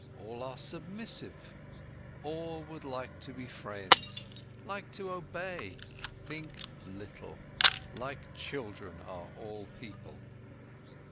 All are submissive, all would like to be friends, like to obey, think little. Like children are all people."